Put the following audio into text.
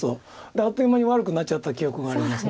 であっという間に悪くなっちゃった記憶があります。